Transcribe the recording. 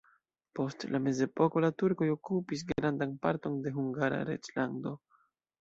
Post la mezepoko la turkoj okupis grandan parton de Hungara reĝlando.